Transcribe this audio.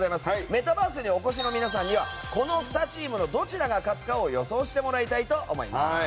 メタバースにお越しの皆さんにはこの２チームのどちらが勝つかを予想してもらいます。